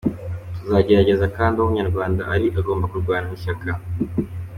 Tuzagerageza kandi aho Umunyarwanda ari agomba kurwana ishyaka.